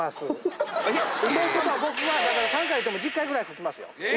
ということは僕は３回いうても１０回ぐらい拭きますよ。